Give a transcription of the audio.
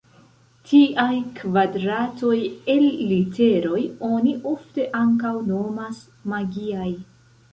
Tiaj kvadratoj el literoj oni ofte ankaŭ nomas magiaj.